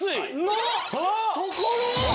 のところ。